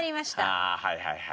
ああはいはいはい。